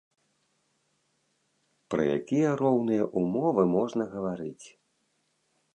Пра якія роўныя ўмовы можна гаварыць?